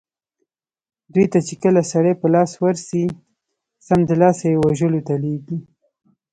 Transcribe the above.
دوی ته چې کله سړي په لاس ورسي سمدلاسه یې وژلو ته لېږي.